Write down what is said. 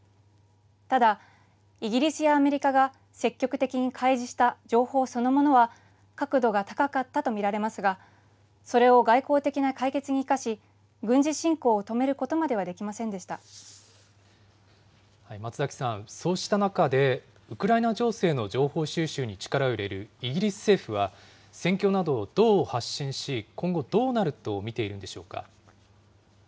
ただ、イギリスやアメリカが積極的に開示した情報そのものは、確度が高かったと見られますが、それを外交的な解決に生かし、軍事侵攻を止めることまではできま松崎さん、そうした中で、ウクライナ情勢の情報収集に力を入れるイギリス政府は、戦況などをどう発信し、今後、どうなると見ているんでしょうか。